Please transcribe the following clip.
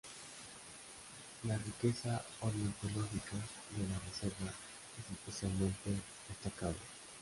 La riqueza ornitológica de la reserva es especialmente destacable.